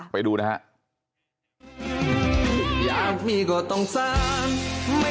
ไปดูนะฮะ